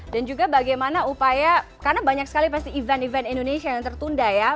dan juga bagaimana upaya karena banyak sekali pasti event event indonesia yang tertunda ya